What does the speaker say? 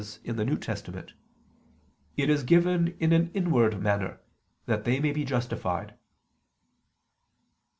in the New Testament, "it is given in an inward manner, that they may be justified."